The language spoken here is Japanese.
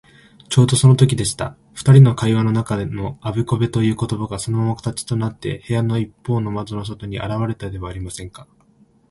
ちょうどそのときでした。ふたりの会話の中のあべこべということばが、そのまま形となって、部屋のいっぽうの窓の外にあらわれたではありませんか。